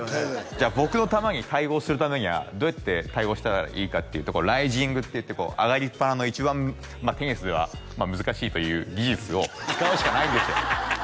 じゃあ僕の球に対応するためにはどうやって対応したらいいかっていうとライジングっていってこう上がりっぱなの一番まあテニスでは難しいという技術を使うしかないんですよ